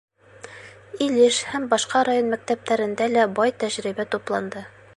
Илеш һәм башҡа район мәктәптәрендә лә бай тәжрибә тупланды.